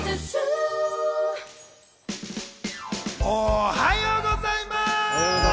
おはようございます。